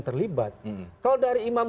terlibat kalau dari imam